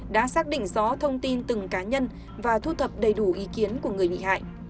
đã xác định rõ thông tin từng cá nhân và thu thập đầy đủ ý kiến của người bị hại